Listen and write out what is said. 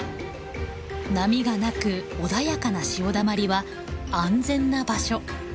波がなく穏やかな潮だまりは安全な場所。